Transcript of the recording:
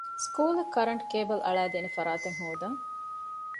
ސްކޫލަށް ކަރަންޓް ކޭބަލެއް އަޅައިދޭނެ ފަރާތެއް ހޯދަން